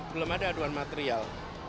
belum ada aduan material